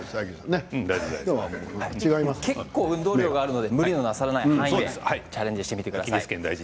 結構、運動量があるので無理をなさらないでチャレンジしてみてください。